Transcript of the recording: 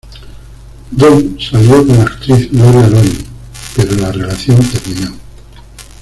Don salió con la actriz Gloria Loring, pero la relación terminó.